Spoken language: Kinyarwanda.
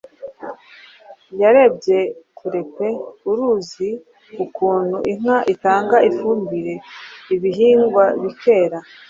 Yarebye kure pe! Uruzi ukuntu inka itanga ifumbire ibihingwa bikera.